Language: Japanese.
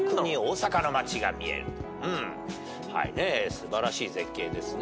素晴らしい絶景ですね。